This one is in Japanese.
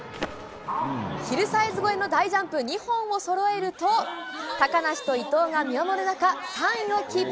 ヒルサイズ越えの大ジャンプ２本をそろえると、高梨と伊藤が見守る中、３位をキープ。